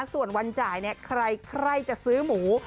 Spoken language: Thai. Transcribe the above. ส่วนวันจ่ายใครจะซื้อหมู